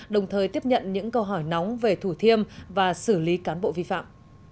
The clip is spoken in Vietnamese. đồng thời tiếp nhận những câu hỏi nóng về thủ thiêm và xử lý cán bộ vi phạm